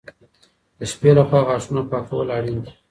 د شپې لخوا غاښونه پاکول اړین دي.